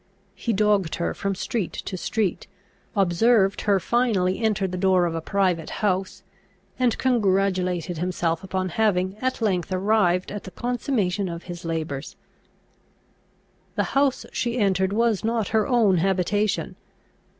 He dogged her from street to street; observed her finally enter the door of a private house; and congratulated himself upon having at length arrived at the consummation of his labours. The house she entered was not her own habitation.